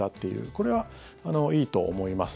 これはいいと思います。